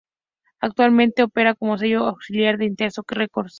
Actualmente opera como sello auxiliar de Interscope Records.